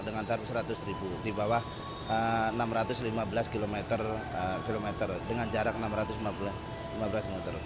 dengan tarif seratus ribu di bawah enam ratus lima belas km dengan jarak enam ratus lima belas meter